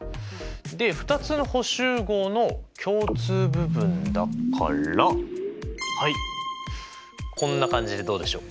で２つの補集合の共通部分だからはいこんな感じでどうでしょう？